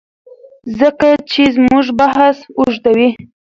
ځکه چي زموږ بحث اوږديوي